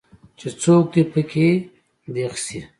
چې څوک دي پکې دغ شي.